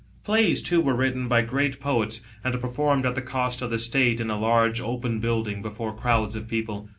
Plays, too, were written by great poets, and performed at the cost of the State in a large open building before crowds of people.